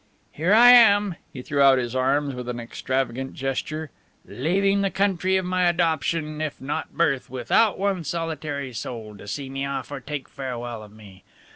"Here I am " he threw out his arms with an extravagant gesture "leaving the country of my adoption, if not birth, without one solitary soul to see me off or take farewell of me.